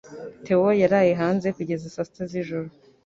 Theo yaraye hanze kugeza saa sita z'ijoro